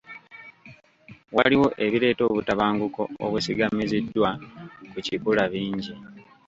Waliwo ebireeta obutabanguko obwesigamiziddwa ku kikula bingi.